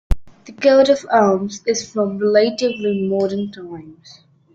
The coat-of-arms is from relatively modern times.